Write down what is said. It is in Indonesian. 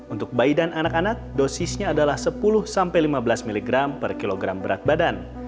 untuk bayi dan anak anak dosisnya adalah sepuluh sampai lima belas mg per kilogram berat badan